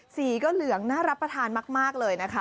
สีก็เหลืองน่ารับประทานมากเลยนะคะ